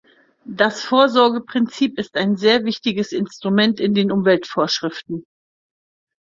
Das Vorsorgeprinzip ist ein sehr wichtiges Instrument in den Umweltvorschriften.